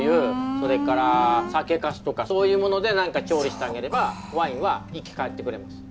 それから酒かすとかそういうもので何か調理してあげればワインは生き返ってくれます。